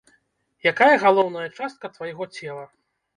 Якая галоўная частка твайго цела?